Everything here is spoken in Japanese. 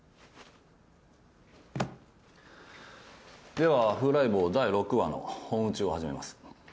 では『風来坊』第６話の本打ちを始めます。